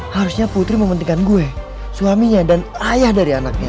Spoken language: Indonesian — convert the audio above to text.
harusnya putri mementingkan gue suaminya dan ayah dari anaknya